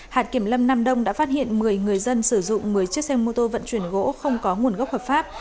hạt kiểm lâm nam đông đã phát hiện một mươi người dân sử dụng một mươi chiếc xe mô tô vận chuyển gỗ không có nguồn gốc hợp pháp